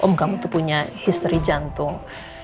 om kamu tuh punya history jantung